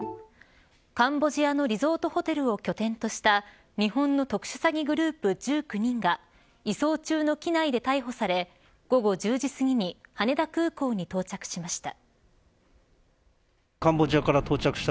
カンボジアのリゾートホテルを拠点とした日本の特殊詐欺グループ１９人が移送中の機内で逮捕され午後１０時すぎに羽田空港に到着しました。